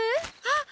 あっ！